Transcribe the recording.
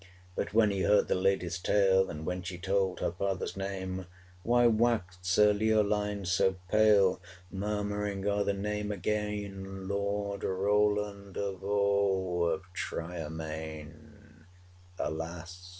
But when he heard the lady's tale, And when she told her father's name, Why waxed Sir Leoline so pale, 405 Murmuring o'er the name again, Lord Roland de Vaux of Tryermaine? Alas!